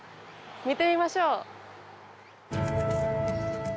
見てみましょう。